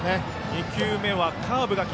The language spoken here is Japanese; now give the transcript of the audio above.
２球目はカーブ。